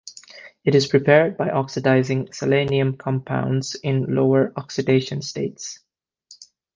It is prepared by oxidising selenium compounds in lower oxidation states.